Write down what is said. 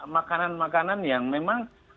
makanan makanan yang memang